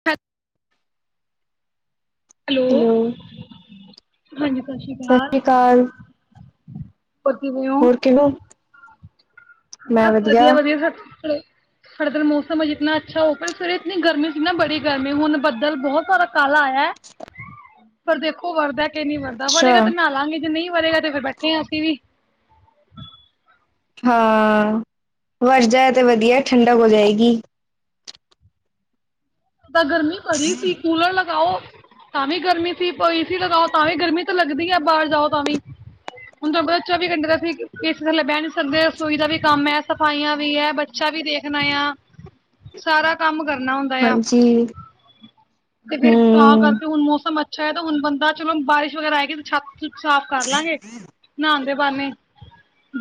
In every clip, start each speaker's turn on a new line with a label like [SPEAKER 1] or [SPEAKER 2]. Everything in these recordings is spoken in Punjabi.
[SPEAKER 1] [inaudible] ਹੈਲੋ
[SPEAKER 2] ਹੈਲੋ
[SPEAKER 1] ਹਾਂਜੀ ਸਤਿ ਸ੍ਰੀ ਅਕਾਲ। ਹੋਰ ਕਿਵੇਂ ਹੋ।
[SPEAKER 2] ਹੋਰ ਕਿਹੋ
[SPEAKER 1] ਬਸ ਵਧੀਆ ਵਧੀਆ ਸਤ੍ਰ ਸਾਡੇ ਤਾਂਲ ਮੌਸਮ ਜਤਨਾ ਅੱਛਾ ਹੋ ਪਰ ਸਵੇਰੇ ਇਤਨੀ ਗਰਮੀ ਸੀ ਨਾ ਬੜੀ ਗਰਮੀ ਹੁਣ ਬੱਦਲ ਬੋਤ ਸਾਰਾ ਕਾਲ ਆਇਆ। ਪਰ ਦੇਖੋ ਵਰਦਾ ਏ ਨੀ ਵਰਦਾ
[SPEAKER 2] ਅੱਛਾ
[SPEAKER 1] ਵਰੇਗਾ ਤੇ ਨਾ ਲਾਂਗੇ ਜੇ ਨਈ ਵਰੇਗਾ ਤੇ ਫਿਰ ਬੈਠੇਾਂ ਅਸੀਂ ਵੀ
[SPEAKER 2] ਹਾਂ ਵਰ ਜੇ ਤੇ ਵਧੀਆ ਠੰਡਕ ਹੋ ਜਾਏਗੀ।
[SPEAKER 1] ਤਾਂ ਗਰਮੀ ਪੜੀ ਸੀ ਕੂਲਰ ਲਗਾਓ। ਤਾਂ ਵੀ ਗਰਮੀ ਸੀ ਏ ਸੀ ਲਗਾਓ ਤਾਂ ਵੀ ਗਰਮੀ ਤਾਂ ਲੱਗਦੀ ਆ ਬਾਰ ਜਾਓ ਤਾਂ ਵੀ ਹੁਣ ਦੇਖੋ ਚੌਵੀ ਘੰਟੇ ਤਾਂ ਅਸੀਂ ਏਸੀ ਥੱਲੇ ਬਹਿ ਨੀ ਸਕਦੇ। ਰਸੋਈ ਦਾ ਵੀ ਕੰਮ ਹੈ ਸਫਾਈਆਂ ਵੀ ਹੈ ਬੱਚਾ ਵੀ ਦੇਖਣਾ ਆ ਸਾਰਾ ਕੰਮ ਕਰਨਾ ਹੁੰ
[SPEAKER 2] ਹਾਂਜੀ
[SPEAKER 1] ਤੇ ਫਿਰ ਤਾਂ
[SPEAKER 2] ਹੂੰ
[SPEAKER 1] ਕਰਕੇ ਹੁਣ ਮੌਸਮ ਅੱਛਾ ਹੈ ਤੇ ਹੁਣ ਬੰਦਾ ਚਲੋ ਬਾਰਿਸ਼ ਵਗੈਰਾ ਆਏਗੀ ਛੱਤ ਸਾਫ਼ ਕਰ ਲਾਂਗੇ ਨਹਾਣ ਦੇ ਬਾਦ ਨਈ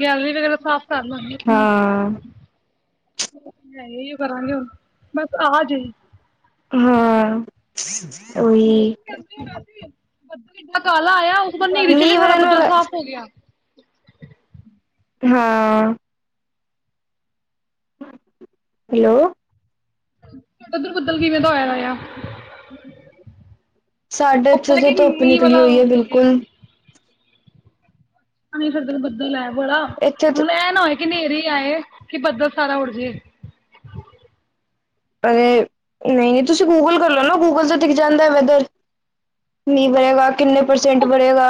[SPEAKER 1] ਗੈਲਰੀ ਵਗੈਰਾ ਸਾਫ਼ ਕਰ ਲਾਂਗੇ
[SPEAKER 2] ਹਾਂ
[SPEAKER 1] ਇਹੀ ਕਰਾਂਗੇ ਹੁਣ ਬਸ ਆ ਜਈ।
[SPEAKER 2] ਹਾਂ ਉਹੀ
[SPEAKER 1] ਏਡਾ ਕਾਲਾ ਆਇਆ ਉਪਰ ਨੇਰੀ ਚੜੀ
[SPEAKER 2] ਮੀਂਹ
[SPEAKER 1] ਸਾਰਾ
[SPEAKER 2] ਵਰਨ
[SPEAKER 1] ਬੱਦਲ
[SPEAKER 2] ਵਾਲਾ
[SPEAKER 1] ਸਾਫ਼ ਹੋ ਗਿਆ।
[SPEAKER 2] ਹਾਂ ਹੈਲੋ
[SPEAKER 1] ਉਰਧ ਬੱਦਲ ਕਿਵੇਂ ਦਾ ਹੋਇਆ ਦਾ ਆ।
[SPEAKER 2] ਸਾਡੇ ਇੱਥੇ
[SPEAKER 1] ਉਪਲ
[SPEAKER 2] ਤਾਂ
[SPEAKER 1] ਕੇ
[SPEAKER 2] ਧੁੱਪ
[SPEAKER 1] ਮੀਂਹ
[SPEAKER 2] ਨਿਕਲੀ
[SPEAKER 1] ਵਾਲਾ
[SPEAKER 2] ਹੋਈ ਹੈ ਬਿਲਕੁਲ
[SPEAKER 1] [unintelligible] ਣੀ ਫਿਰਦੇ ਬੱਦਲ ਹੈ ਬੜਾ
[SPEAKER 2] ਇੱਥੇ ਤਾਂ
[SPEAKER 1] ਹੁਣ ਇਹ ਨਾ ਹੋਏ ਕਿ ਨੇਰੀ ਆਏ ਕਿ ਬੱਦਲ ਸਾਰਾ ਉੱਡ ਜੇ
[SPEAKER 2] ਅਏ ਨਈ ਤੁਸੀਂ ਗੂਗਲ ਕਰ ਲਓ ਨਾ ਗੂਗਲ ਤੇ ਦਿਖ ਜਾਂਦਾ ਵੈਦਰ ਮੀਂਹ ਵਰੇਗਾ ਕਿੰਨੇ ਪਰਸੈਂਟ
[SPEAKER 1] ਉਹ
[SPEAKER 2] ਵਰੇਗਾ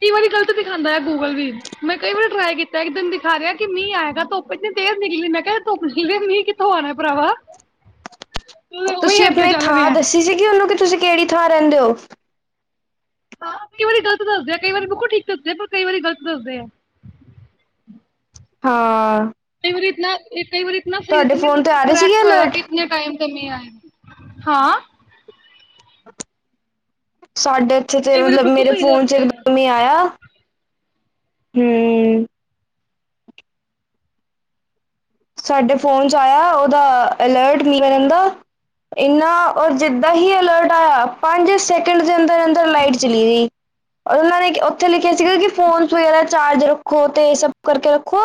[SPEAKER 1] ਕਈ ਵਾਰੀ ਗਲਤ ਦਿਖਾਂਦਾ ਗੂਗਲ ਵੀ ਮੈਂ ਕਈ ਵਾਰੀ ਟਰਾਈ ਕੀਤਾ ਇੱਕ ਦਿਨ ਦਿਖਾ ਰਿਆ ਕਿ ਮੀਂ ਆਏਗਾ ਧੱਪ ਇੰਨੀ ਤੇਜ ਨਿਕਲੀ ਮੈਂ ਕਿਆ ਧੁੱਪ ਨਿਕਲੀ ਮੀਂ ਕਿਥੋਂ ਆਣਾ ਭਰਾਵਾ ਉਹੀ
[SPEAKER 2] ਤੁਸੀਂ
[SPEAKER 1] ਅੱਗੇ
[SPEAKER 2] ਆਪਣੀ
[SPEAKER 1] ਚੱਲ
[SPEAKER 2] ਥਾਂ
[SPEAKER 1] ਰਿਹਾ।
[SPEAKER 2] ਦੱਸੀ ਸੀਗੀ ਉਹਨੂੰ ਕਿ ਤੁਸੀਂ ਕਿਹੜੀ ਥਾਂ ਰੈਂਦੇ ਹੋ।
[SPEAKER 1] ਹ ਕਈ ਵਾਰੀ ਗਲਤ ਦੱਸਦੇ ਆ ਕਈ ਵ ਬਿਲਕੁਲ ਠੀਕ ਦੱਸਦੇ ਆ ਪਰ ਕਈ ਵਾਰੀ ਗਲਤ ਦੱਸਦੇ ਆ।
[SPEAKER 2] ਹਾਂ
[SPEAKER 1] ਕਈ ਵਾਰੀ ਇਤਨਾ ਕਈ ਵਾਰੀ ਇਤਨਾ ਸਈ
[SPEAKER 2] ਤੁਹਾਡੇ
[SPEAKER 1] ਸਮਝ
[SPEAKER 2] ਫੋਨ ਤੇ
[SPEAKER 1] ਬਿਲਕੁਲ
[SPEAKER 2] ਆ ਰਹੇ ਸੀਗੇ
[SPEAKER 1] ਕਰੈਕਟ ਹੋਏਗਾ
[SPEAKER 2] ਅਲਰਟ
[SPEAKER 1] ਕਿ ਇਤਨੇ ਟਾਇਮ ਤੇ ਮੀਂਹ ਆਏਗਾ ਹਾਂ।
[SPEAKER 2] ਸਾਡੇ ਇੱਥੇ ਤੇ
[SPEAKER 1] ਕਈ ਵਾਰੀ
[SPEAKER 2] ਮਤਲਬ
[SPEAKER 1] ਬਿਲਕੁਲ
[SPEAKER 2] ਮੇਰੇ
[SPEAKER 1] ਸਹੀ
[SPEAKER 2] ਫੋਨ 'ਚ ਇਕ
[SPEAKER 1] ਦੱਸਦੇ ਆ।
[SPEAKER 2] ਦਮ ਈ ਆਇਆ ਹੂੰ। ਸਾਡੇ ਫੋਨ 'ਚ ਆਇਆ ਉਹਦਾ ਅਲਰਟ ਮੀਂਂਹ ਵਰਨ ਦਾ। ਇੰਨਾ ਔਰ ਜਿੱਦਾਂ ਹੀ ਅਲਰਟ ਆਇਆ ਪੰਜ ਸ ਟ ਦੇ ਅੰਦਰ-ਅੰਦਰ ਲਾਈਟ ਚਲੀ ਗਈ ਔਰ ਉਹਨਾਂ ਨੇ ਉੱਥੇ ਲਿਖਿਆ ਸੀਗਾ ਕਿ ਫੋਨ ਸ ਵਗੈਰਾ ਚਾਰਜ ਰੱਖੋ ਤੇ ਇਹ ਸਭ ਕਰਕੇ ਰੱਖੋ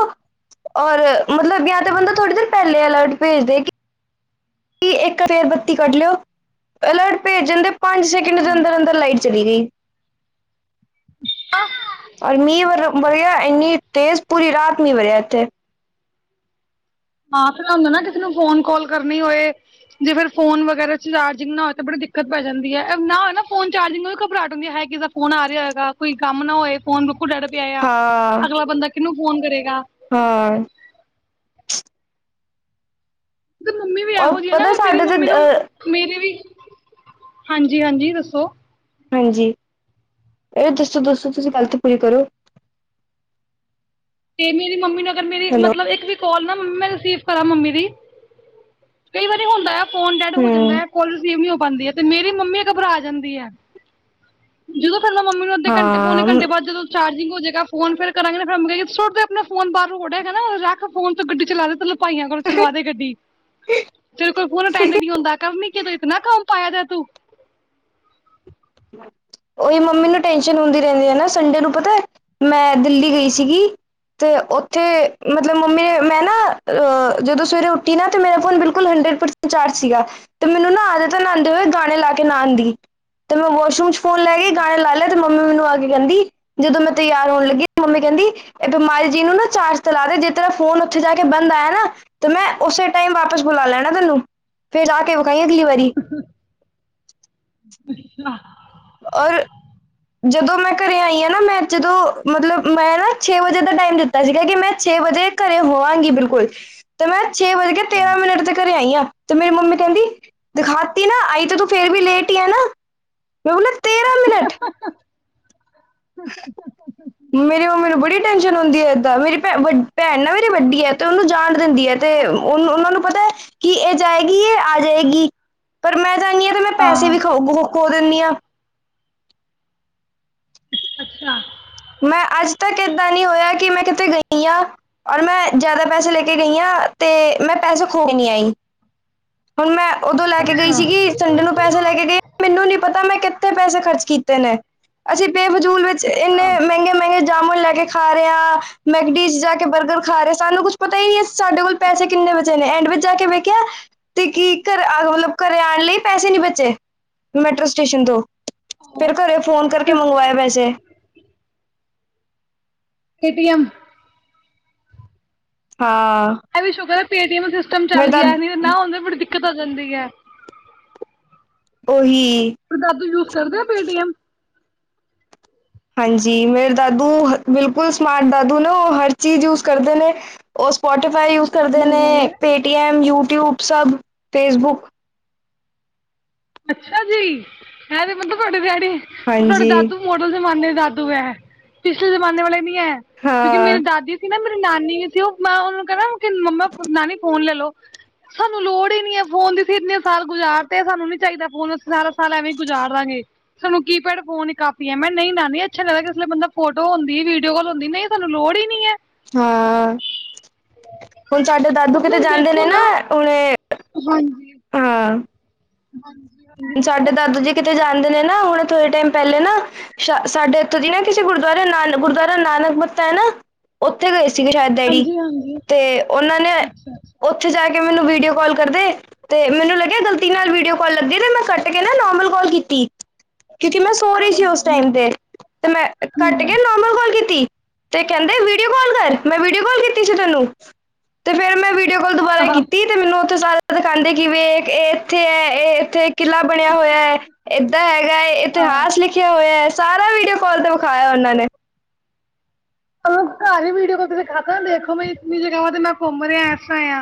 [SPEAKER 2] ਔਰ ਮਤਲਬ ਯ ਬੰਦਾ ਥੋੜੀ ਦੇਰ ਪਹਿਲੇ ਅਲਰਟ ਭੇਜਦੇ ਕਿ ਕੀ ਇੱਕ ਫਿਰ ਬੱਤੀ ਕੱਢ ਲਿਓ। ਅਲਰਟ ਭੇਜਣ ਦੇ ਪੰਜ ਸੈਕਿੰਡ ਦੇ ਅੰਦਰ- ਅੰਦਰ ਲਾਈਟ ਚਲੀ ਗਈ।
[SPEAKER 1] ਆ
[SPEAKER 2] ਔਰ ਮੀਂਹ ਵਰ ਵਧਿਆ ਇੰਨੀ ਤੇਜ਼ ਪੂਰੀ ਰਾਤ ਮੀਂਹ ਵਰਿਆ ਇੱਥੇ।
[SPEAKER 1] ਹਾਂ ਫਿਰ ਐ ਹੁੰਦਾ ਨਾ ਕਿਸੇ ਨੂੰ ਫੋਨ ਕਾਲ ਕਰਨੀ ਹੋਏ। ਜੇ ਫਿਰ ਫੋਨ ਵਗੈਰਾ ਚਾਰਜਿੰਗ ਨਾ ਹੋਏ ਤਾਂ ਬੜੀ ਦਿੱਕਤ ਪੈ ਜਾਂਦੀ ਐ ਨਾ ਨਾ ਫੋਨ ਚਾਰਜਿੰਗ ਉਹ ਵੀ ਘਬਰਾਟ ਹੁੰਦੀ ਹਾਏ ਕਿਸੇ ਦਾ ਫੋਨ ਆ ਰਿਹਾ ਹੋਏਗਾ ਕੋਈ ਕੰਮ ਨਾ ਹੋਏ ਫੋਨ ਬਿਲਕੁਲ ਡੈਡ ਪਿਆ ਆ
[SPEAKER 2] ਹਾਂ
[SPEAKER 1] ਅਗਲਾ ਬੰਦਾ ਕਿਹਨੂੰ ਫੋਨ ਕਰੇਗਾ।
[SPEAKER 2] ਹਾਂ।
[SPEAKER 1] ਮੰਮੀ ਵੀ
[SPEAKER 2] ਔਰ
[SPEAKER 1] ਇਹੋ ਜੀ ਆ ਨਾ
[SPEAKER 2] ਪਤਾ
[SPEAKER 1] ਅਗਰ ਮੇਰੀ
[SPEAKER 2] ਸਾਡੇ
[SPEAKER 1] ਮੰਮੀ
[SPEAKER 2] ਤੇ
[SPEAKER 1] ਨੂੰ।
[SPEAKER 2] ਅ
[SPEAKER 1] ਮੇਰੇ ਵੀ ਹਾਂਜੀ ਹਾਂਜੀ ਦੱਸੋ।
[SPEAKER 2] ਹਾਂਜੀ ਏ ਦੱਸੋ ਦੱਸੋ ਤੁਸੀਂ ਗੱਲ ਤਾਂ ਪੂਰੀ ਕਰੋ।
[SPEAKER 1] ਤੇ ਮੇਰੀ ਮੰਮੀ ਨੂੰ ਅਗਰ ਮੇਰੀ
[SPEAKER 2] ਹੈਲੋ
[SPEAKER 1] ਮਤਲਬ ਇੱਕ ਵੀ ਕਾਲ ਨਾ ਮੰਮੀ ਮੈਂ ਰਿਸੀਵ ਕਰਾਂ ਮੰਮੀ ਦੀ ਕਈ ਵਾਰੀ ਹੁੰਦਾ ਆ। ਫੋਨ ਡੈਡ ਹੋ
[SPEAKER 2] ਹੂੰ
[SPEAKER 1] ਜਾਂਦਾ ਕੋਲ ਰਿਸੀਵ ਨੀ ਹੋ ਪਾਂਦੀ ਐ ਤੇ ਮੇਰੀ ਮੰਮੀ ਘਬਰਾ ਜਾਂਦੀ ਐ। ਜਦੋਂ ਫਿਰ ਮੈਂ ਮੰਮੀ ਨੂੰ ਅੱਧੇ ਘੰਟੇ ਪੌਣੇ
[SPEAKER 2] ਹਾਂ
[SPEAKER 1] ਘੰਟੇ ਬਾਅਦ ਜਦੋਂ ਚਾਰਜਿੰਗ ਹੋਜੇਗਾ ਫੋਨ ਫਿਰ ਕਰਾਂਗੀ ਨਾ ਫਿਰ ਮੰਮੀ ਸੁੱਟ ਦੇ ਆਪਣਾ ਫੋਨ ਬਾਹਰ ਰੋੜ ਹੈਗਾ ਨਾ ਰੱਖ ਫੋਨ ਤੋਂ ਗੱਡੀ ਚਲਾ [unintelligible] ਭਾਈਆਂ ਕੋਲੋਂ ਚਲਵਾ ਦੇ ਗੱਡੀ ਤੇਰੇ ਕੋਲ ਫੋਨ ਅਟੈਂਡ ਨੀ ਹੁੰਦਾ ਕਰਨੀ, ਕੇ ਤੂੰ ਇਤਨਾ ਕੰਮ ਪਾਇਆ ਜਾ ਤੂੰ
[SPEAKER 2] ਓਹੀ ਮੰਮੀ ਨੂੰ ਟੈਸ਼ਨ ਹੁੰਦੀ ਰਹਿੰਦੀ ਆ ਨਾ ਸੰਡੇ ਨੂੰ ਪਤਾ ਮੈਂ ਦਿੱਲੀ ਗਈ ਸੀਗੀ। ਤੇ ਉੱਥੇ ਮਤਲਬ ਮੰਮੀ ਨੇ ਮੈਂ ਨਾ ਅਹ ਜਦੋਂ ਸਵੇਰੇ ਉੱਠੀ ਨਾ ਤੇ ਮੇਰਾ ਫੋਨ ਬਿਲਕੁਲ ਹੰਡਰਡ ਪ ਚਾਰਜ ਸੀਗਾ ਤੇ ਮੈਨੂੰ ਨਾ ਆਦਤ ਆ ਨਾਂਦੇ ਹੋਏ ਗਾਣੇ ਲਾ ਕੇ ਨਹਾਣ ਦੀ ਤੇ ਮੈਂ ਵਾਸ਼ਰੂਮ ਚ ਫੋਨ ਲੈ ਗਈ ਗਾਣੇ ਲਾ ਲਿਆ ਤੇ ਮੰਮੀ ਮੈਨੂੰ ਆ ਕੇ ਕਹਿੰਦੀ ਜਦੋਂ ਮੈਂ ਤਿਆਰ ਹੋਣ ਲੱਗੀ ਮੰਮੀ ਕਹਿੰਦੀ ਇਹ ਬਿਮਾਰੀ ਜੀ ਨੂੰ ਨਾ ਚਾਰਜ ਤੇ ਲਾਂਦੇ ਜੇ ਤੇਰਾ ਫੋਨ ਉੱਥੇ ਜਾ ਕੇ ਬੰਦ ਆਇਆ ਨਾ। ਤੇ ਮੈਂ ਉਸੇ ਟਾਈਮ ਵਾਪਸ ਬੁਲਾ ਲੈਣਾ ਤੈਨੂੰ ਫੇਰ ਆ ਕੇ ਵਿਖਾਈ ਅਗਲੀ ਵਾਰੀ।
[SPEAKER 1] [unintelligible]
[SPEAKER 2] ਔਰ ਜਦੋਂ ਮੈਂ ਘਰੇ ਆਈ ਆ ਨਾ ਮੈਂ ਜਦੋਂ ਮਤਲਬ ਮੈਂ ਨਾ ਛੇ ਵਜੇ ਦਾ ਟਾਈਮ ਦਿੱਤਾ। ਤਾਂ ਸੀਗਾ ਕਿ ਮੈਂ ਛੇ ਵਜੇ ਘਰੇ ਹੋਆਂਗੀ ਬਿਲਕੁਲ। ਤੇ ਮੈਂ ਛੇ ਵੱਜ ਕੇ ਤੇਰਾਂ ਮਿੰਟ ਤੇ ਘਰੇ ਆਈ ਆ ਤੇ ਮੇਰੀ ਮੰਮੀ ਕਹਿੰਦੀ ਦਿਖਾਤੀ ਨਾ ਆਈ ਤੇ ਤੂੰ ਫੇਰ ਵੀ ਲੇਟ ਈ ਆ ਨਾ। [unintelligible] ਮਿੰਟ
[SPEAKER 1] [inaudible]
[SPEAKER 2] ਮੇਰੀ ਮੰਮੀ ਨੂੰ ਬੜੀ ਟੈਨਸ਼ਨ ਹੁੰਦੀ ਐ ਏਦਾਂ ਮੇਰੀ ਭੈ ਭੈਣ ਨਾ ਮੇਰੀ ਵੱਡੀ ਐ ਤੇ ਉਹਨੂੰ ਜਾਣ ਦਿੰਦੀ ਐ। ਤੇ
[SPEAKER 1] ਅੱਛਾ
[SPEAKER 2] ਓਨਾਂ ਓਨਾਂ ਨੂੰ ਪਤਾ ਕਿ ਇਹ ਜਾਏਗੀ ਇਹ ਆ ਜਾਏਗੀ ਪਰ ਮੈਂ ਜਾਣੀ ਆ। ਤੇ ਮੈਂ ਪੈਸੇ
[SPEAKER 1] ਹਾਂ
[SPEAKER 2] ਵੀ ਖ ਖ ਖੋ ਦਿਨੀ ਆ।
[SPEAKER 1] ਅੱਛਾ।
[SPEAKER 2] ਮੈਂ ਅੱਜ ਤੱਕ ਏਦਾਂ ਨੀ ਹੋਇਆ ਕਿ ਮੈਂ ਕਿਤੇ ਗਈ ਆ। ਔਰ ਮੈਂ ਜ਼ਿਆਦਾ ਪੈਸੇ ਲੇ ਕੇ ਗਈ ਆਂ, ਤੇ ਮੈਂ ਪੈਸੇ ਖੋ ਕੇ ਨੀ ਆਈ।
[SPEAKER 1] [inaudible]
[SPEAKER 2] ਹੁਣ ਮੈਂ ਉਦੋਂ ਲੈ ਕੇ ਗਈ
[SPEAKER 1] ਅੱਛਾ
[SPEAKER 2] ਸੀਗੀ, ਸੰਡੇ ਨੂੰ ਪੈਸੇ ਲੈ ਕੇ ਗੀ ਮੈਨੂੰ ਨੀ ਪਤਾ ਮੈਂ ਕਿੱਥੇ ਪੈਸੇ ਖਰਚ ਕੀਤੇ ਨੇ, ਅਸੀਂ ਬੇਫਜੂਲ ਵਿੱਚ ਇੰਨੇ
[SPEAKER 1] ਅੱਛਾ
[SPEAKER 2] ਮਹਿੰਗੇ ਮਹਿੰਗੇ ਜਾਮੁਨ ਲੈ ਕੇ ਖਾ ਰੇ ਆ, ਮੈਗਡੀ ਚ ਜਾ ਕੇ ਬਰਗਰ ਖਾਰੇ ਸਾਨੂੰ ਕੁੱਛ ਪਤਾ ਈ ਨੀ ਸਾਡੇ ਕੋਲ ਪੈਸੇ ਕਿੰਨੇ ਵਚੇ ਨੇ, ਐਂਡ ਵਿੱਚ ਜਾ ਕੇ ਵੇਖਿਆ ਤੇ ਕੀ ਘਰ ਆ ਮਤਲਬ ਘਰੇ ਆਣ ਲਈ ਪੈਸੇ ਨੀ ਬਚੇ, ਮੈਟਰੋ ਸਟੇਸ਼ਨ ਤੋਂ। ਫਿਰ ਘਰੇ ਫ਼ੋਨ ਕਰਕੇ ਮੰਗਵਾਏ ਪੈਸੇ।
[SPEAKER 1] ਏਟੀ ਐਮ
[SPEAKER 2] ਹਾਂ
[SPEAKER 1] ਐਵੀ ਸ਼ੁਕਰ ਅ ਪੇ ਟੀ ਐਮ ਦਾ ਸਿਸਟਮ
[SPEAKER 2] ਮੈਂ
[SPEAKER 1] ਚੱਲ
[SPEAKER 2] ਤਾਂ
[SPEAKER 1] ਗਿਆ, ਨਹੀ ਤੇ ਨਾ ਹੁੰਦਾ ਬੜੀ ਦਿੱਕਤ ਆ ਜਾਂਦੀ ਐ।
[SPEAKER 2] ਓਹੀ
[SPEAKER 1] ਤੇ ਦਾਦੂ ਯੂਜ ਕਰਦਾ ਪੇਟੀ ਐਮ?
[SPEAKER 2] ਹਾਂਜੀ, ਮੇਰੇ ਦਾਦੂ ਹ ਬਿਲਕੁਲ ਸਮਾਰਟ ਦਾਦੂ ਨਾ ਓਹ ਹਰ ਚੀਜ਼ ਯੂਸ ਕਰਦੇ ਨੇ ਉ ਸਪੋਟੀਫਾਈ ਯੂਜ ਕਰਦੇ
[SPEAKER 1] ਜਿਹੜਾ ਗੱਲ
[SPEAKER 2] ਨੇ,
[SPEAKER 1] ਹੈ
[SPEAKER 2] ਪੇਟੀਐਮ, ਯੁਟਿਊਬ ਸਭ ਫੇਸਬੁੱਕ
[SPEAKER 1] ਅੱਛਾ ਜੀ, ਐ ਤੇ ਮਤਲਬ ਤੁਵਾਡੇ ਡੈਡੀ ਤੁਵਾਡੇ
[SPEAKER 2] ਹਾਂਜੀ
[SPEAKER 1] ਦਾਦੂ ਮੋਡਰਨ ਜ਼ਮਾਨੇ ਦਾਦੂ ਐ, ਪਿਛਲੇ ਜ਼ਮਾਨੇ ਵਾਲੇ ਨੀ ਐ, ਕਿਉਂਕੀ
[SPEAKER 2] ਹਾਂ
[SPEAKER 1] ਮੇਰੀ ਦਾਦੀ ਸੀ ਨਾ ਮੇਰੀ ਨਾਨੀ ਸੀ ਉ, ਮੈਂ ਉਨੂੰ ਕੈਨਾ ਕੀ ਮੰਮਾ ਨਾਨੀ ਫੋਨ ਲੇਲੋ ਸਾਨੂੰ ਲੋੜ ਈ ਨੀ ਹੈ ਫੋਨ ਦੀ, ਅਸੀਂ ਇੰਨੇ ਸਾਲ ਗੁਜ਼ਾਰ ਤੇ ਸਾਨੂੰ ਨੀ ਚਾਹੀਦਾ [unintelligible] ਸਾਲ ਐਵੇਂ ਹੀ ਗੁਜ਼ਾਰ ਲਾਂਗੇ। ਸਾਨੂੰ ਕੀ ਪੈਡ ਫੋਨ ਕਾਫ਼ੀ ਹੈ ਮੈਂ ਨਹੀਂ ਲੈਂਦੀ ਅੱਛਾ ਨੀ ਲਗਦਾ ਕਿਸੇ ਲੇ ਬੰਦਾ ਫੋਟੋ ਹੁੰਦੀ, ਵੀਡੀਓ ਕੌਲ ਹੁੰਦੀ, ਨਹੀਂ ਸਾਨੂੰ ਲੋੜ ਈ ਨੀ ਐ।
[SPEAKER 2] ਹਾਂ। ਹੁਣ ਸਾਡੇ ਦਾਦੂ ਕਿਤੇ
[SPEAKER 1] ਮਤਲਬ
[SPEAKER 2] ਜਾਂਦੇ
[SPEAKER 1] ਦੇਖੋ
[SPEAKER 2] ਨੇ ਨਾ, ਉਵੇਂ
[SPEAKER 1] ਹਾਂਜੀ
[SPEAKER 2] [unintelligible]
[SPEAKER 1] [unintelligible]
[SPEAKER 2] ਸਾਡੇ ਦਾਦੂ ਜੀ ਕਿਤੇ ਜਾਂਦੇ ਨੇ ਨਾਂ, ਹੁਣੇ ਥੋੜੇ ਟੈਮ ਪਹਿਲੇ ਨਾ ਅਛਾ ਸਾਡੇ ਇੱਥੋਂ ਦੀ ਨਾ ਕਿਸੇ ਗੁਰਦੁਆਰੇ ਨਾਲ ਗੁਰਦੁਆਰੇ ਨਾਨਕ ਮੱਤਾ ਏ ਨਾ ਉੱਥੇ ਗਏ ਸੀਗੇ ਛੈਦ ਡੈਡੀ, ਤੇ ਉਹਨਾਂ ਨੇ ਉ ਓਥੇ ਜਾ ਕੇ ਮੈਨੂੰ ਵੀਡੀਓ ਕੌਲ ਕਰਦੇ, ਤੇ ਮੈਨੂੰ ਲੱਗਿਆ ਗਲਤੀ ਨਾਲ ਵੀਡੀਓ ਕੌਲ ਲੱਗੀ ਤੇ ਮੈਂ ਕੱਟ ਕੇ ਨਾ ਨੋਮਲ ਕੌਲ ਕੀਤੀ। ਕਿਉੰਕਿ ਮੈਂ ਸੋ ਰਹੀ ਸੀ ਉਸ ਟਾਈਮ ਤੇ, ਤੇ ਮੈਂ ਕੱਟ ਕੇ ਨੋਰਮਲ ਕੌਲ ਕੀਤੀ। ਤੇ ਕੈਂਦੇ ਵੀਡੀਓ ਕੌਲ ਕਰ, ਮੈਂ ਵੀਡੀਓ ਕੌਲ ਕੀਤੀ ਸੀ ਤੈਨੂੰ, ਤੇ ਫਿਰ ਮੈ ਵੀ ਵੀਡੀਓ ਕੌਲ ਦੁਬਾਰਾ
[SPEAKER 1] ਹਾਂ
[SPEAKER 2] ਕੀਤੀ ਤੇ ਮੈਨੂੰ ਉੱਥੇ ਸਾਰਾ ਦਿਖਾਂਦੇ ਕੀ ਵੇਖ ਏ ਇੱਥੇ ਐ, ਏ ਇੱਥੇ ਕਿੰਨਾ ਪੜ੍ਹਿਆ ਹੋਯਾ, ਏਦਾਂ ਹੈਗਾ ਏ,
[SPEAKER 1] ਹਾਂ
[SPEAKER 2] ਇਤਿਹਾਸ ਲਿ ਲਿਕਯਾ ਹੋਯਾ ਸਾਰਾ ਵੀਡੀਓ ਕੌਲ ਤੇ ਵਿਖਾਯਾ ਉਹਨਾਂ ਨੇ।
[SPEAKER 1] ਘਰ ਹੀ ਵੀਡੀਓ ਕੌਲ ਤੇ ਦਿਖਾਤਾ, ਵੇਖੋ ਬਈ ਇਤਨੀ ਜਗਾਵਾਂ ਤੇ ਮੈਂ ਘੁੰਮ ਰੇਆਂ ਅੱਛਾ ਆ।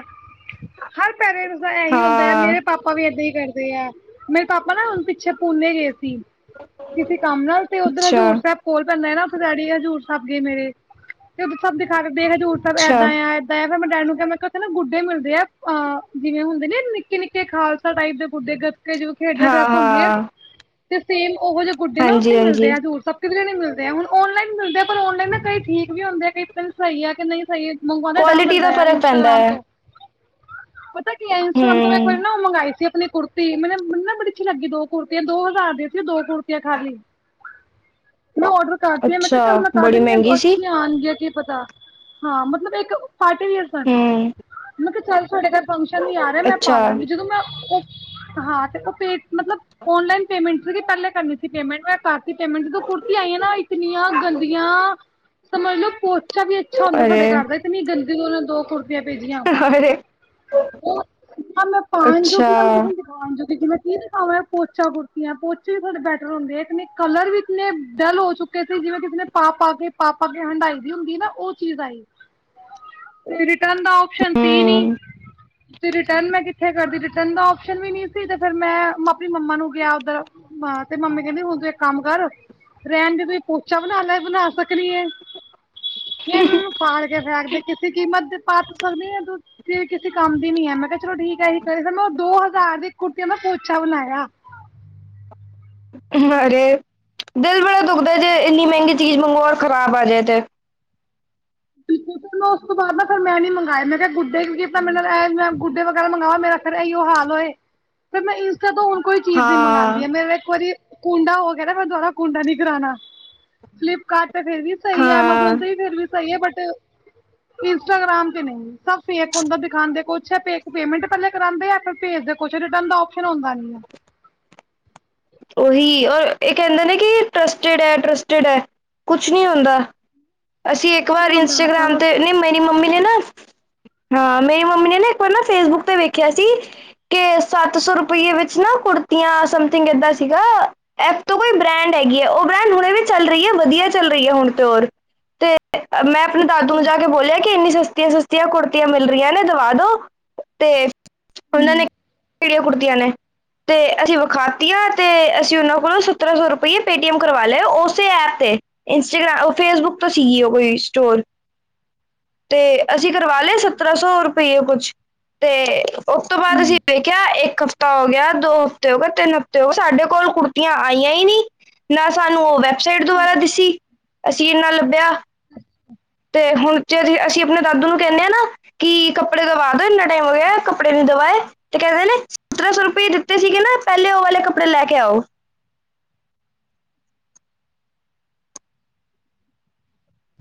[SPEAKER 1] ਹਰ ਪੈਰੇਂਟਸ ਦਾ ਐਹੀ ਹੁੰਦਾ ਐ,
[SPEAKER 2] ਹਾਂ
[SPEAKER 1] ਮੇਰੇ ਪਾ ਪਾਪਾ ਵੀ ਏਦਾਂ ਈ ਕਰਦੇ ਆ, ਮੇਰੇ ਪਾਪਾ ਨਾ ਹੁਨ ਪਿੱਛੇ ਪੂਨੇ ਗਏ ਸੀ ਕਿਸੀ ਕੰਮ ਨਾਲ ਤੇ ਉੱਧਰ
[SPEAKER 2] ਅੱਛਾ
[SPEAKER 1] ਹਜ਼ੂਰ ਸਾਹਿਬ ਕੋਲ ਪੈਂਦਾ ਏ ਨਾ, ਉਥੇ ਡੈਡੀ ਹਜ਼ੂਰ ਸਾਹਿਬ ਗਏ ਮੇਰੇ। ਤੇ ਉਥੇ ਸਬ ਦੀਖਾ ਰਹੇ ਥੇ, ਹਜ਼ੂਰ ਸੈਬ ਏਦਾਂ
[SPEAKER 2] ਅੱਛਾ
[SPEAKER 1] ਆ ਤਾਂ ਈ ਤੇ ਮੈ ਡੈੜੀ ਨੂੰ ਕੇਆ, ਮੈਂ ਕੇਆ ਮੈ ਉਥੇ ਨਾ ਗੁੱਡੇ ਮਿਲਦੇ ਆ- ਆ ਜਿਵੇਂ ਹੁੰਦੇ ਨੀ ਆ, ਨਿੱਕੇ ਨਿੱਕੇ ਖਾਲ [unintelligible] ਖੇਡਾਂ
[SPEAKER 2] ਹਾਂ
[SPEAKER 1] ਡਰੈਸ ਹੁੰਦੀ ਐ,
[SPEAKER 2] ਹਾਂ
[SPEAKER 1] ਤੇ ਸੇਮ ਉਹੋ ਜੇ ਗੁੱਡੇ ਨਾ ਉੱਥੇ
[SPEAKER 2] ਹਾਂਜੀ
[SPEAKER 1] ਮਿਲਦੇ
[SPEAKER 2] ਹਾਂਜੀ
[SPEAKER 1] ਆ ਹਜੂ਼ਰ ਸ ਕਿਦਰੇ ਨੀ ਮਿਲਦੇ ਆ ਹੁਣ, ਔਨਲਾਈਨ ਮਿਲਦੇ ਆ, ਪਰ ਔਨਲਾਈਨ ਨਾ ਕਈ ਠੀਕ ਵੀ ਹੁੰਦੇ ਆ ਕ ਸਈ ਹੈ ਕਿ ਨਹੀਂ ਸਹੀ ਮੰਗਵਾਂਦਯਾ ਡਰ
[SPEAKER 2] ਕੁਆਲਿਟੀ ਦਾ
[SPEAKER 1] ਲੱਗਦਾ ਆ
[SPEAKER 2] ਫ਼ਰਕ ਪੈਂਦਾ
[SPEAKER 1] ਇੰਸਟਾਗ੍ਰਾਮ
[SPEAKER 2] ਹੈ
[SPEAKER 1] ਤੋਂ। ਪਤਾ ਕੀ ਆ? ਇੰਸਟਾਗ੍ਰਾਮ ਤੋਂ ਇਕ ਵਾਰੀ
[SPEAKER 2] ਹਮ
[SPEAKER 1] ਨਾ ਓਹ ਮੰਗਈ ਸੀ ਆਪਨੀ ਕੁੜ ਤੇ ਮੈਨੂੰ ਨਾ ਬੜੀ ਅੱਛੀ ਲੱਗੀ, ਦੋ ਕੁੜਤੀਆਂ ਦੋ ਹਜ਼ਾਰ ਦੀਆ ਸੀ ਦੋ ਕੁੁੜਤੀਆਂ ਖਾਲੀ। ਮੈਂ ਔਡਰ ਕਰਤੀ ਆ, ਮੈਂ ਕੇਅ
[SPEAKER 2] ਅੱਛਾ
[SPEAKER 1] ਚੱਲ ਮੈਂ ਕਰ
[SPEAKER 2] ਬੜੀ
[SPEAKER 1] ਦੇਨੀ ਆ
[SPEAKER 2] ਮਹਿੰਗੀ ਸੀ
[SPEAKER 1] [unintelligible] ਕੀ ਪਤਾ, ਹਾਂ ਮਤਲਬ ਇੱਕ ਪਾਰਟੀ ਵੀਅਰਸ ਆ,
[SPEAKER 2] ਹਮ
[SPEAKER 1] ਮੈਂ ਕੇਆ ਚੱਲ ਸਾਡੇ ਘਰ ਫੰਕਸ਼ਨ ਵੀ ਆ ਰਿਹਾ, ਮੈਂ
[SPEAKER 2] ਅੱਛਾ
[SPEAKER 1] ਪਾਲਾਂਗੀ ਜਦੋਂ ਮੈਂ ਹਾਂ ਤੇ ਉਹ ਪੇ ਮਤਲਬ ਓਨਲਾਈਨ ਪੇਮੈਂਟ ਸੀਗੀ ਪਹਲੇ ਕਰਨੀ ਸੀ ਪੇਮੈਂਟ ਮੈਂ ਕਰਤੀ ਪੇਮੈਂਟ ਜਦੋਂ ਕੁੜਤੀ ਆਈਆਂ ਨਾ ਇਤਨੀਆਂ ਗੰਦੀਆਂ ਤਾਂ ਮੰਨ ਲਓ ਪੋਚਾ ਵੀ ਅੱਛਾ ਹੁੰਦਾ ਸਾਡੇ
[SPEAKER 2] ਅਰੇ
[SPEAKER 1] ਘਰ ਦਾ ਇਤਨੀ ਗੰਦੀ ਓਹਨਾਂ ਦੋ ਕੁੜਤੀਆਂ ਭੇਜੀਆਂ। [unintelligible]
[SPEAKER 2] ਅਰੇ
[SPEAKER 1] ਹਾਂ ਮੈਂ
[SPEAKER 2] ਅੱਛਾ
[SPEAKER 1] ਕੀ ਦਿਖਾਵਾਂ ਪੋਚਾ ਕੁੜਤਿਆਂ ਪੋਚੇ ਵੀ ਥੋੜੇ ਬੈਟਰ ਹੁੰਦੇ ਆ ਕਲਰ ਵੀ ਇਤਨੇ ਡਲ ਹੋ ਚੁੱਕ ਕਦੀ ਜਿਵੇਂ ਕਿਸੀ ਨੇ ਪਾ ਪਾ ਆ ਕੇ- ਪਾ ਪਾ ਆ ਕੇ ਹੰਢਾਈ ਦੀ ਹੁੰਦੀ ਹੈ ਨਾ ਉਹ ਚੀਜ਼ ਆਈ। ਰਿਟਰਨ ਦਾ ਓਪਸ਼ਨ ਸੀ ਨੀ।
[SPEAKER 2] ਹਮ
[SPEAKER 1] ਤੇ ਰਿਟਰਨ ਮੈਂ ਕਿੱਥੇ ਕਰਦੀ ਰਿਟਰਨ ਦਾ ਆਪਸ਼ਨ ਵੀ ਨਹੀਂ ਸੀ ਤੇ ਫੇਰ ਮੈਂ ਆਪਣੀ ਮੰਮਾ ਨੂੰ ਕੇਹਾ ਉਧਰ। ਹਾਂ ਤੇ ਮੰਮੀ ਕਹਿੰਦੀ ਹੁਣ ਤੂੰ ਇੱਕ ਕੰਮ ਕਰ ਰਹਿਣ ਜੇ ਤੂੰ ਪੋਚਾ ਬਣਾ ਲੈ ਬਣਾ ਸਕ ਸਕਨੀ ਐ ਕੇ ਐਨੂੰ ਫਾੜ ਕੇ ਫੈਂਕ ਦੇ ਕਿਸੀ ਕੀਮਤ ਤੇ ਪਾ ਤੁ ਸਕਦੀ ਨੀ ਤੂੰ। ਤੇ ਕਿਸੇ ਕੰਮ ਦੀ ਨੀ ਹੈ ਮੈਂ ਕਿਹਾ ਚਲੋ ਠੀਕ ਹੈ ਐਹੀ ਕਰੀ ਮੈਂ ਉਹ ਦੋ ਹਜ਼ਾਰ ਦੀ ਕੁੜਤੀਆਂ ਦਾ ਪੋਚਾ ਬਣਾਇਆ।
[SPEAKER 2] ਹਰੇ ਦਿਲ ਬੜਾ ਦੁਖਦਾ ਜੇ ਇੰਨੀ ਮਹਿੰਗੀ ਚੀਜ਼ ਮੰਗੋ ਔਰ ਖ਼ਰਾਬ ਆ ਜਾਏ ਤੇ।
[SPEAKER 1] ਮੈਂ ਉਸ ਤੋਂ ਬਾਅਦ ਨਾ ਫੇਰ ਮੈਂ ਨੀ ਮੰਗਵਾਏ ਮੈਂ ਕਿਹਾ ਗੁੱਡੇ ਕਿ ਕੀ ਪਤਾ ਮ [unintelligible] ਗੁੱਡੇ ਵਗੈਰਾ ਮੰਗਵਾ ਮੇਰਾ ਫੇਰ ਇਹਿਓ ਹਾਲ ਹੋਏ ਫੇਰ ਮੈਂ ਇੰਸਟਾ ਤੋਂ ਹੁਣ ਕੋਈ ਚੀਜ਼ ਨੀ
[SPEAKER 2] ਹਾਂ
[SPEAKER 1] ਮੰਗਉਂਦੀ ਮੇਰਾ ਇੱਕ ਵਾਰੀ ਕੁੰਡਾ ਹੋ ਗਿਆ ਨਾ ਮੈ ਦੁਬਾਰਾ ਕੁੰਡਾ ਨੀ ਕਰਾਉਣਾ ਫਲਿਪ ਕਾਰਟ ਫੇਰ ਵੀ ਸਹੀ ਹੈ
[SPEAKER 2] ਹਾਂ
[SPEAKER 1] ਐਮਾਜ਼ੋਨ ਤੇ ਭੀ ਫੇਰ ਵੀ ਸਹੀ ਹੈ ਬਟ ਇੰਸਟਾਗ੍ਰਾਮ ਤੇ ਨਹੀਂ ਸਬ ਫੇਕ ਹੁੰਦਾ ਦਿਖਾਉਦੇ ਕੋਛ ਆ ਫੇਕ ਪੇਮੈਂਟ ਪਹਿਲੇ ਕਰਾਉਂਦੇ ਆ ਫੇਰ ਭੇਜ ਕੁਛ ਰਿਟਰਨ ਦਾ ਆਪਸ਼ਨ ਹੁੰਦਾ ਨੀ ਹੈ।
[SPEAKER 2] ਉਹੀ ਔਰ ਇਹ ਕਹਿੰਦੇ ਨੇ ਕਿ ਟਰਸਟਿਡ ਐ ਟਰਾਸਟਿਡ ਹੈ। ਕੁਛ ਨੀ ਮਿਲਦਾ ਅਸੀਂ ਇੱਕ
[SPEAKER 1] ਕੀ
[SPEAKER 2] ਵਾਰ
[SPEAKER 1] ਹੁੰਦਾ ਐਸਾ
[SPEAKER 2] ਇੰਸਟਾਗ੍ਰਾਮ
[SPEAKER 1] ਬਸ
[SPEAKER 2] ਤੇ ਨਹੀਂ ਮੇਰੀ ਮੰਮੀ ਨੇ ਨਾ ਹਾਂ ਮੇਰੀ ਮੰਮੀ ਨੇ ਨਾ ਇੱਕ ਵਾਰ ਨਾ ਫੇਸਬੁੱਕ ਤੇ ਵੇਖਿਆ ਸੀ। ਕਿ ਸੱਤ ਸੌ ਰੁਪਈਏ ਵਿੱਚ ਨਾ ਕੁੜਤੀਆਂ ਸਮਥਿੰਗ ਏਦਾਂ ਸੀਗਾ। ਐਪ ਤੋਂ ਕੋਈ ਬ੍ਰੈਂਡ ਹੈਗੀ ਹੈ ਉਹ ਬ੍ਰੈਂਡ ਹੁਣੇ ਵੀ ਚੱਲ ਰਹੀ ਹੈ ਵਧੀਆ ਚੱਲ ਰਹੀ ਹੈ ਹੁਣ ਤੇ ਹੋਰ ਤੇ ਮੈਂ ਆਪਣੇ ਦਾਦੂ ਨੂੰ ਜਾ ਕੇ ਬੋਲਿਆ ਕਿ ਇੰਨੀ ਸਸਤੀਆਂ- ਸਸਤੀਆਂ। ਕੁੜਤੀਆਂ ਮਿਲ ਰਹੀਆਂ ਨੇ ਦਵਾ ਦੋ ਤੇ ਉਹਨਾਂ ਨੇ ਕਿਹੜੀਆਂ ਕੁੜਤੀਆਂ ਨੇ ਤੇ ਅਸੀਂ ਵਿਖਾਤੀਆਂ ਤੇ ਅਸੀਂ ਉਹਨਾਂ ਕੋਲੋਂ ਸਤਰਾਂ ਸੌ ਰੁਪਈਏ ਪੇਟੀਐਮ ਕਰਵਾ ਲਏ ਉਸੇ ਐਪ ਤੇ ਇੰਸਟਾਗ੍ਰਾਮ ਫੇਸਬੁੱਕ ਤੇ ਸੀਗੀ ਉਹ ਕੋਈ ਸਟੋਰ। ਤੇ ਅਸੀਂ ਕਰਵਾ ਲਿਆ ਸਤਰਾਂ ਸੌ ਰੁਪਈਏ ਕੁਛ ਤੇ ਉਸ ਤੋਂ ਬਾਅਦ ਅਸੀਂ ਵੇਖਿਆ ਇੱਕ ਹਫ਼ਤਾ ਹੋ ਗਿਆ ਦੋ ਹਫ਼ਤੇ ਹੋ ਗਏ ਤਿੰਨ ਹਫ਼ਤੇ ਤੇ ਉਹ ਸਾਡੇ ਕੋਲ ਕੁੜਤੀਆਂ ਆਈਆਂ ਹੀ ਨੀ, ਨਾ ਸਾਨੂੰ ਉਹ ਵੈਬਸਾਈਟ ਦੁਆਰਾ ਦੀਸੀ। ਅਸੀ ਐਨਾ ਲੱਭਿਆ। ਤੇ ਹੁਣ ਜੇ ਅਸੀਂ ਆਪਣੇ ਦਾਦੂ ਨੂੰ ਕਹਿੰਦੇ ਹਾਂ ਨਾ ਕਿ ਕੱਪੜੇ ਦਾਵਾ ਦੇ ਨੇ ਤੇ ਹੋ ਗਿਆ ਕੱੜੇ ਨੀ ਦਵਾਏ। ਤੇ ਕਹਿੰਦੇ ਨੇ ਸਤਰਾਂ ਸੌ ਰੁਪਏ ਦਿੱਤੇ ਸੀਗੇ ਨਾ ਪਹਿਲੇ ਉਹ ਵਾਲੇ ਕੱਪੜੇ ਲੈ ਕੇ ਆਓ।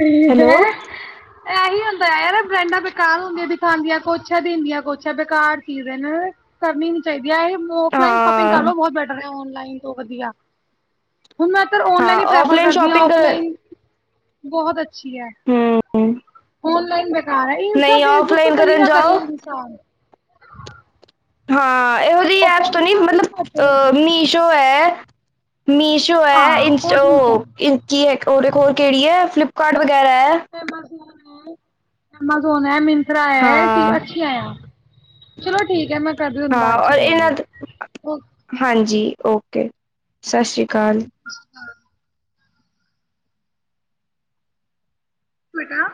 [SPEAKER 1] ਫਿਰ ਨੀ ਤੇ
[SPEAKER 2] ਹੈਲੋ
[SPEAKER 1] ਐਂ ਇਹੀ ਹੁੰਦਾ ਯਾਰ ਬ੍ਰੈਂਡਾਂ ਬੇਕਾਰ ਹੁੰਦੀਆਂ ਦਿਖਾਦੀਆਂ ਕੂਛ ਆ ਦਿੰਦੀਆਂ ਕੂਛ ਆ ਬੇਕਾਰ ਚੀਜ਼ ਐ ਨਾ। ਕਰਨੀ ਨੀ ਚਾਹੀਦੀ ਹੈ, ਇਹ ਔਫਲਾਈਨ ਸ਼ੋਪਿੰਗ
[SPEAKER 2] ਹਾਂ
[SPEAKER 1] ਕਰ ਲੋ ਬਹੁਤ ਬੈਟਰ ਹੈ ਔਨਲਾਈਨ ਤੋਂ ਵਧੀਆ। ਹੁਣ ਮੈਂ ਤਰ ਔਨਲਾਈਨ
[SPEAKER 2] ਹਾਂ
[SPEAKER 1] ਹੀ ਪ੍ਰੈਫਰ
[SPEAKER 2] ਆਫਲਾਈਨ
[SPEAKER 1] ਕਰਦੀ ਹਾਂ
[SPEAKER 2] ਸ਼ਾਪਿੰਗ ਕਰ
[SPEAKER 1] ਔਫਲਾਈਨ। ਬਹੁਤ ਅੱਛੀ ਹੈ
[SPEAKER 2] ਹਮ
[SPEAKER 1] ਔਨਲਾਈਨ। ਯਾਰ ਏ ਇੰਸਟਾ,
[SPEAKER 2] ਨਹੀਂ
[SPEAKER 1] ਫੇਸਬੁੱਕ ਤੋਂ
[SPEAKER 2] ਆਫਲਾਈਨ
[SPEAKER 1] ਕਦੀ
[SPEAKER 2] ਕਰਨ
[SPEAKER 1] ਨਾ ਕਰੇ
[SPEAKER 2] ਜਾਓ
[SPEAKER 1] ਇਨਸਾਨ।
[SPEAKER 2] ਹਾਂ ਇਹੋ ਜਿਹੀ ਐਪਸ ਤੋਂ ਨਹੀਂ ਮਤਲਬ ਮੀਸ਼ੋ ਹੈ, ਮੀਸ਼ੋ। ਸ਼ੋ ਹੈ ਇਸ ਉਹ ਕੀ ਹੈ ਉਹਦੇ ਹੋਰ ਕਿਹੜੀ ਹੈ ਫਲਿੱਪਕਾਰਟ ਵਗੈਰਾ ਹੈ।
[SPEAKER 1] ਐਮਾਜ਼ੋਨ ਹੈ ਐਮਾਜ਼ੋਨ ਐ ਮਨ ਮਿੰਤਰਾ ਹੈ ਐ
[SPEAKER 2] ਹਾਂ
[SPEAKER 1] ਅੱਛੀਆਂ ਆ, ਚਲੋ ਠੀਕ ਹੈ ਮੈਂ ਕਰਦੀ ਤੁਨੂੰ
[SPEAKER 2] ਹਾਂ
[SPEAKER 1] ਬਾਅਦ ਚ
[SPEAKER 2] ਔਰ
[SPEAKER 1] ਕੋਲ।
[SPEAKER 2] ਇਹਨਾਂ ਹਾਂਜੀ ਓਕੇ ਸ਼ਸ਼ ਸ਼੍ਰੀ ਅਕਾਲ।
[SPEAKER 1] ਹਾਂ। ਇਕ ਨਾ।